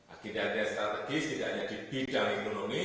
akibatnya strategis tidak hanya di bidang ekonomi